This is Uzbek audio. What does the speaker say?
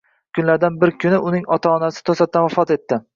Kunlardan bir kuni uning ota-onasi to`satdan vafot etdi